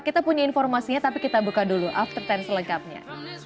kita punya informasinya tapi kita buka dulu aftertensi lengkapnya